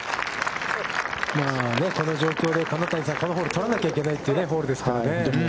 この状況で金谷さん、このホール取らなきゃいけないホールですからね。